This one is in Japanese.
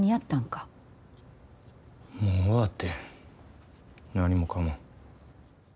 もう終わってん、何もかも。